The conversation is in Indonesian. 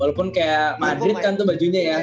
walaupun kayak madrid kan tuh bajunya ya